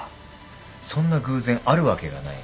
そんな偶然あるわけがない。